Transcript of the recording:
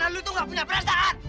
karena lu tuh gak punya perasaan